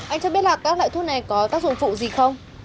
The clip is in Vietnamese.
anh cho biết là các loại thuốc này có tác dụng phụ gì không